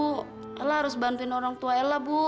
ella harus bantuin orang tua ella bu